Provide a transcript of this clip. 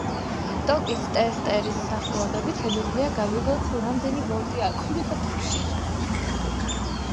ტოკის ტესტერის საშუალებით, შეგვიძლია გავიგოთ, თუ რამდენი ვოლტია აკუმლატორში.